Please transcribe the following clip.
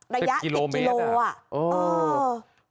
ระยะกิโลเมตร